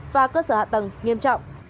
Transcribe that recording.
và cơ sở hạ tầng nghiêm trọng